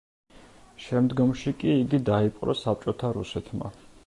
შემდგომში კი იგი დაიპყრო საბჭოთა რუსეთმა.